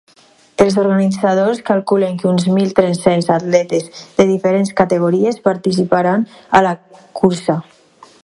Els organitzadors calculen que uns mil tres-cents atletes de diferents categories participaran a la cursa.